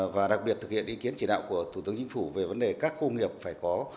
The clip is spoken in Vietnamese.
và đặc biệt thực hiện ý kiến chỉ đạo của thủ tướng chính phủ về vấn đề các khu nghiệp phải có